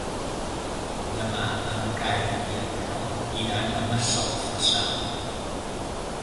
Demà en Cai i en Roc iran a Massalfassar.